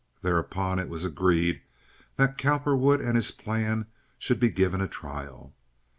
Thereupon it was agreed that Cowperwood and his plan should be given a trial.